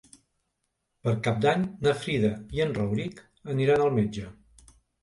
Per Cap d'Any na Frida i en Rauric aniran al metge.